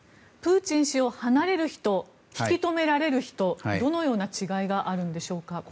プーチン氏を離れる人引き留められる人どのような違いがあるんでしょうか？